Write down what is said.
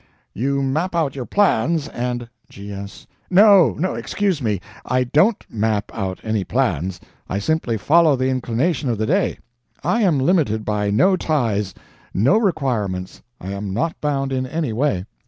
You map out your plans and ... G.S. No, excuse me. I don't map out any plans. I simply follow the inclination of the day. I am limited by no ties, no requirements, I am not bound in any way.